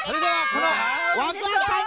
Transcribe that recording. このワクワクさん